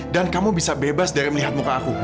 dan kamu bisa bebas dari melihat muka aku